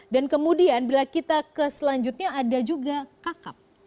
dan kemudian bila kita ke selanjutnya ada juga kakap